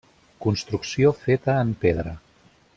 Construcció feta en pedra.